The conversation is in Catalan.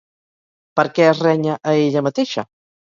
Per què es renya a ella mateixa?